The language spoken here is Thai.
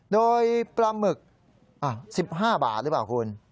โดยปลาหมึก๑๕บาทหรือเปล่าคุณ